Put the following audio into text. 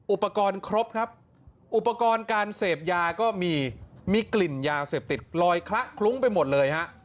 อุปกรณ์ครบครับอุปกรณ์การเสพยาก็มีมีกลิ่นยาเสพติดลอยคละคลุ้งไปหมดเลยฮะ